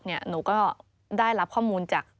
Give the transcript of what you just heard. หนูก็ได้รับข้อมูลจาก